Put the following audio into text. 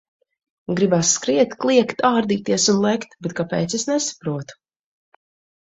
Gribās skriet, kliegt, ārdīties un lekt, bet kāpēc, es nesaprotu.